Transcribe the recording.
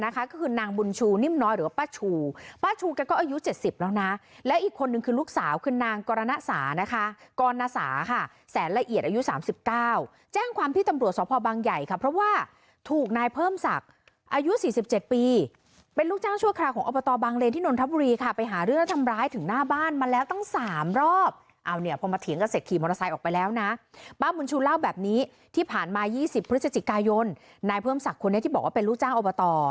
ก็คือนางบุญชูนิ่มน้อยหรือว่าป้าชูป้าชูกันก็อายุ๗๐แล้วนะและอีกคนนึงคือลูกสาวคือนางกรณสานะคะกรณสาค่ะแสนละเอียดอายุ๓๙แจ้งความที่ตำรวจศพบางใหญ่ค่ะเพราะว่าถูกนายเพิ่มศักดิ์อายุ๔๗ปีเป็นลูกจ้างชั่วคราวของอบตบางเลนที่นทบุรีค่ะไปหาเรื่องทำร้ายถึงหน้าบ้านมาแล้วตั้ง๓รอบ